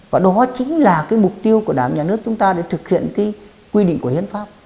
và đó chính là cái mục tiêu của đảng nhà nước chúng ta để thực hiện cái quy định của hiến pháp